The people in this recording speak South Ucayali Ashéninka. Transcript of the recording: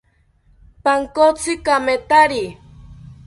Pankotzi kamethari